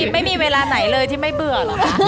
ไม่มีเวลาไหนเลยที่ไม่เบื่อเหรอคะ